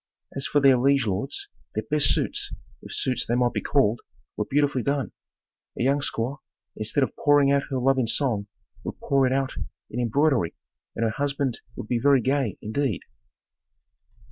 As for their liege lords, their best suits, if suits they might be called, were beautifully done. A young squaw, instead of pouring out her love in song, would pour it out in embroidery and her husband would be very gay, indeed.